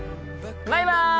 バイバイ！